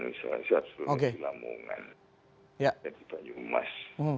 misalnya di lamungan di banyumas